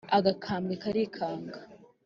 agakambwe karikanga,